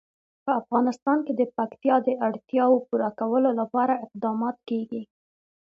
په افغانستان کې د پکتیا د اړتیاوو پوره کولو لپاره اقدامات کېږي.